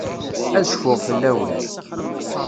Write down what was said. Ad cfuɣ fell-awen.